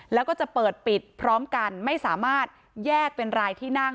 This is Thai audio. แล้วก็จะเปิดปิดพร้อมกันไม่สามารถแยกเป็นรายที่นั่ง